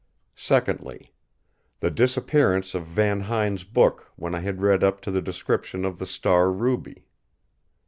Secondly: the disappearance of Van Huyn's book when I had read up to the description of the Star Ruby.